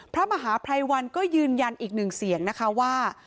พระมหาภัยวันก็ยืนยันอีกหนึ่งเสียงนะคะว่า